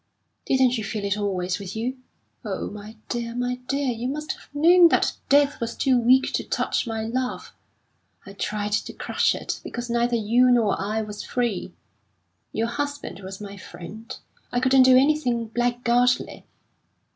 Didn't you feel it always with you? Oh, my dear, my dear, you must have known that death was too weak to touch my love! I tried to crush it, because neither you nor I was free. Your husband was my friend. I couldn't do anything blackguardly.